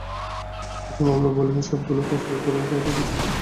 Hashim Amla বোলিংয়ের সবগুলো তাস বের করে তাঁদের বিচ্ছিন্ন করতে চাইছেন।